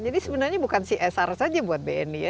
jadi sebenarnya bukan csr saja buat bni ya